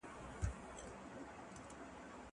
زه ليک نه لولم!!